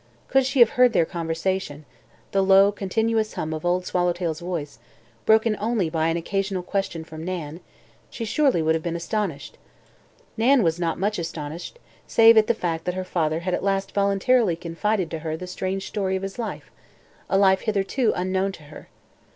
Could she have heard their conversation the low, continuous hum of Old Swallowtail's voice, broken only by an occasional question from Nan she would surely have been astonished. Nan was not much astonished, save at the fact that her father had at last voluntarily confided to her the strange story of his life, a life hitherto unknown to her.